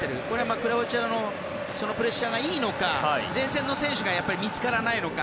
クロアチアのプレッシャーがいいのか前線の選手が見つからないのか。